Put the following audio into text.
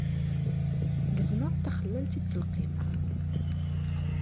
Gezmeɣ-d taxellalt i ttelqim.